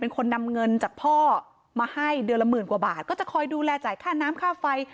เป็นคนนำเงินจากพ่อมาให้เดือนละหมื่นกว่าบาทก็จะคอยดูแลจ่ายค่าน้ำค่าไฟ